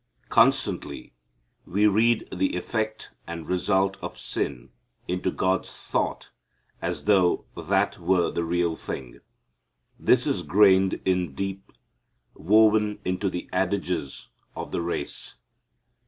Constantly we read the effect and result of sin into God's thought as though that were the real thing. This is grained in deep, woven into the adages of the race.